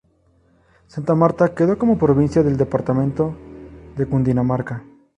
Santa Marta quedó como provincia del departamento de Cundinamarca.